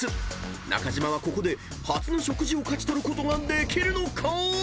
［中島はここで初の食事を勝ち取ることができるのか⁉］